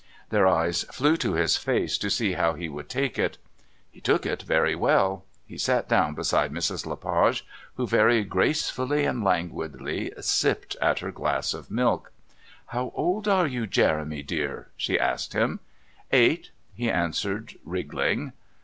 Their eyes flew to his face to see how he would take it. He took it very well. He sat down beside Mrs. Le Page, who very gracefully and languidly sipped at her glass of milk. "How old are you, Jeremy dear?" she asked him. "Eight," he answered, wriggling.